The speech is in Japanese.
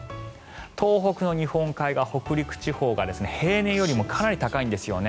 東北の日本海側、北陸地方が平年よりもかなり高いんですよね。